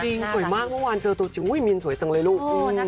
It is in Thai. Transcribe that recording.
สวยมากเมื่อวานเจอตัวจริงมีนสวยจังเลยลูก